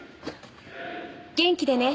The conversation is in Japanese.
元気でね。